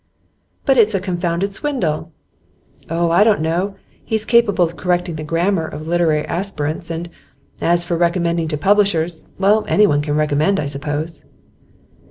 'But it's a confounded swindle!' 'Oh, I don't know. He's capable of correcting the grammar of "literary aspirants," and as for recommending to publishers well, anyone can recommend, I suppose.